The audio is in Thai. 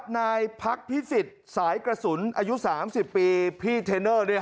นายพักพิสิทธิ์สายกระสุนอายุ๓๐ปีพี่เทนเนอร์